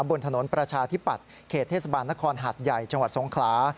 บนถนนประชาธิปัตย์เขตเทศบาลนครหัดใหญ่จังหวัดสงขลา